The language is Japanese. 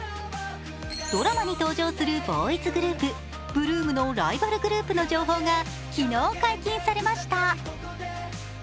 ドラマに登場するボーイズグループ、８ＬＯＯＭのライバルグループの情報が昨日解禁されました。